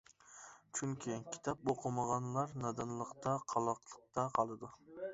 چۈنكى، كىتاب ئوقۇمىغانلار نادانلىقتا، قالاقلىقتا قالىدۇ.